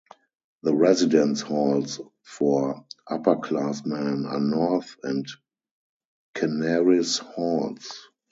The residence halls for upperclassmen are North and Caneris Halls.